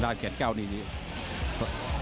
ด้านแก่งแก้วนี้เนี่ย